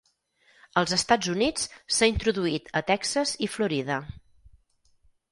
Als Estats Units s'ha introduït a Texas i Florida.